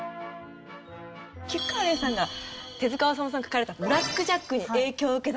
菊川怜さんが手治虫さんが描かれた『ブラック・ジャック』に影響を受けたという事で。